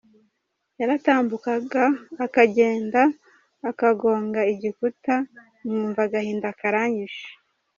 Yaratambukaga akagenda akagonga igikuta, nkumva agahinda karanyishe.